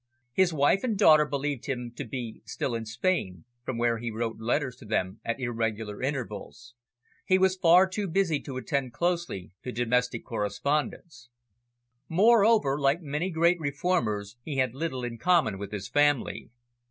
His wife and daughter believed him to be still in Spain, from where he wrote letters to them at irregular intervals. He was far too busy to attend closely to domestic correspondence. Moreover, like many great reformers, he had little in common with his family.